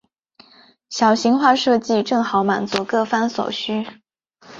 小型化设计正好满足各方所需。